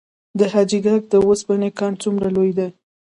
د حاجي ګک د وسپنې کان څومره لوی دی؟